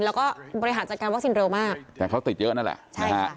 แล้วก็บริหารจัดการวัคซีนเร็วมากแต่เขาติดเยอะนั่นแหละใช่ฮะ